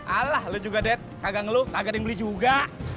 alah lu juga dek kagak ngeluh kagak ada yang beli juga